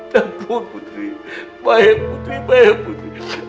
ya ampun putri baik putri baik putri